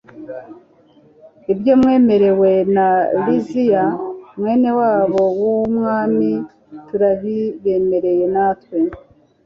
ibyo mwemerewe na liziya, mwene wabo w'umwami, turabibemereye natwe